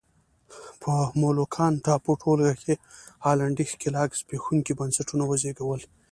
په مولوکان ټاپو ټولګه کې هالنډي ښکېلاک زبېښونکي بنسټونه وزېږول.